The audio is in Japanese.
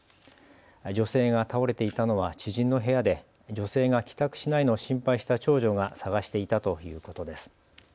女性が倒れていたのは知人の部屋で女性が帰宅しないのを心配した長女が捜していたということです。